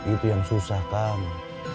itu yang susah kamu